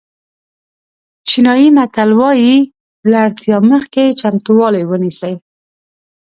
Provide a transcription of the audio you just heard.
چینایي متل وایي له اړتیا مخکې چمتووالی ونیسئ.